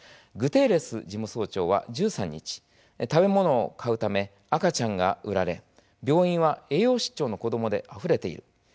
グテーレス事務総長は１３日食べ物を買うため赤ちゃんが売られ病院は栄養失調の子どもであふれている。